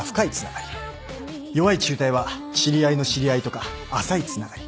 弱い紐帯は知り合いの知り合いとか浅いつながり。